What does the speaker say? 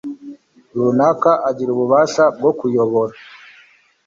runaka igira ububasha bwo kuyobora